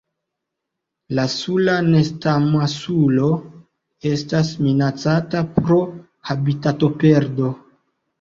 La Sula nestamasulo estas minacata pro habitatoperdo.